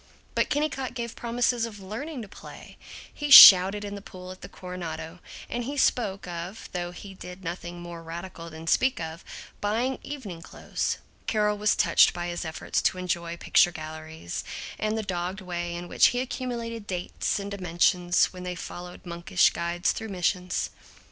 But Kennicott gave promise of learning to play. He shouted in the pool at the Coronado, and he spoke of (though he did nothing more radical than speak of) buying evening clothes. Carol was touched by his efforts to enjoy picture galleries, and the dogged way in which he accumulated dates and dimensions when they followed monkish guides through missions.